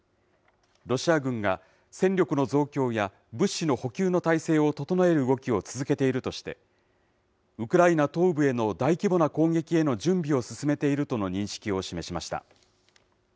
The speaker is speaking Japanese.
ロシア軍が戦力の増強や物資の補給の態勢を整える動きを続けているとして、ウクライナ東部への大規模な攻撃への準備を進めているとの認識を示しました。